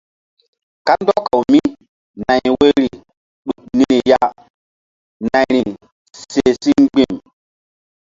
Kandɔkawmínay woyri ɗuk niri ya nayri seh si mgbi̧m.